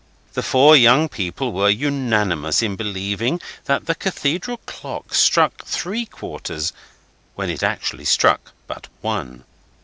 The four young people were unanimous in believing that the Cathedral clock struck three quarters, when it actually struck but one.